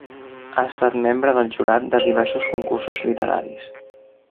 Ha estat membre del jurat de diversos concursos literaris.